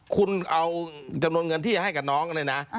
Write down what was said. คุณเอาจำนวนเงินที่ให้กับน้องเนี่ยนะ